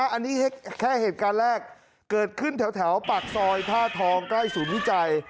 อันนี้แค่เหตุการณ์แรกเกิดขึ้นแถวปากซอยท่าทองใกล้ศูนย์วิจัย